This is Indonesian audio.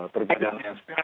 tergantian yang ada